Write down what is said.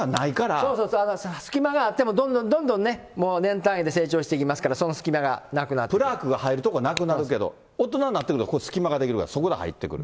そうそう、隙間があっても、どんどんどんどん年単位で成長していきますから、プラークが入るところなくなるけど、大人になってくると、隙間が出来るから、そこで入ってくる。